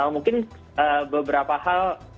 mungkin beberapa hal